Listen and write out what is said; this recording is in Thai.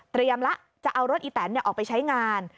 เตรียมแล้วจะเอารถอีแตนออกไปใช้งาน